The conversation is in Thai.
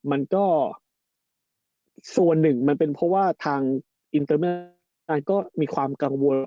มันก็ส่วนหนึ่งมันเป็นเพราะว่าทางอินเตอร์แม่แอนก็มีความกังวล